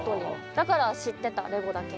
だから知ってたＬＥＧＯだけ。